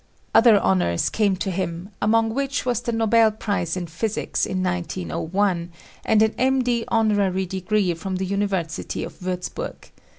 Other honors came to him, among which was the Nobel, prize in Physics in 1901, and an M.D. honorary degree from the Uni I versity of Wiirzburg.